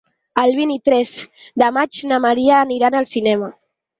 El vint-i-tres de maig na Maria anirà al cinema.